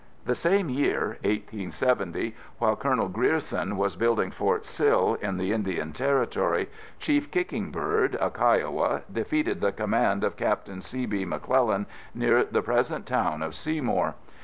The same year, 1870, while Colonel Grierson was building Fort Sill in the Indian Territory, Chief Kicking Bird, a Kiowa, defeated the Command of Captain C. B. McClellan near the present town of Seymour.